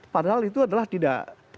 padahal itu adalah tidak